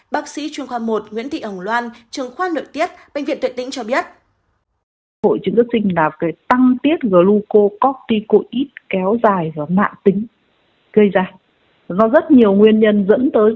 bác sĩ chuyên khoa một nguyễn thị ẩng loan trường khoa nội tiết bệnh viện tuyệt tĩnh cho biết